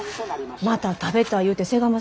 また食べたい言うてせがむ